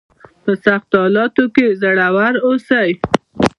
په سختو حالاتو کې زړور اوسئ.